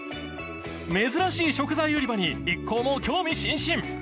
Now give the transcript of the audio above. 珍しい食材売り場に一行も興味津々